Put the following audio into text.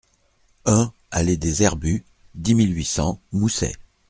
un allée des Herbues, dix mille huit cents Moussey